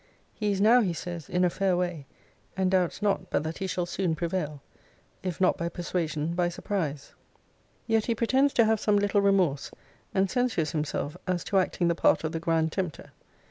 He is now, he says, in a fair way, and doubts not but that he shall soon prevail, if not by persuasion, by surprise. Yet he pretends to have some little remorse, and censures himself as to acting the part of the grand tempter.